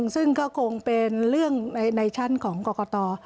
ซึ่งก็คงเป็นเรื่องในชั้นของกรกต